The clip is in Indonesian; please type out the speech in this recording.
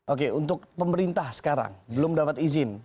oke untuk pemerintah sekarang belum dapat izin